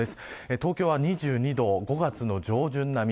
東京は２２度、５月の上旬並み。